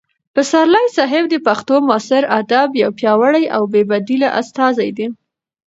پسرلي صاحب د پښتو معاصر ادب یو پیاوړی او بې بدیله استازی دی.